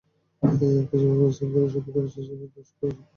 আমরা যেভাবে পরিশ্রম করে শুটিং করেছি, দর্শকেরা ষোলো আনা আনন্দ পাবেন।